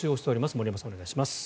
森山さん、お願いします。